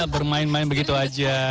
bermain main begitu aja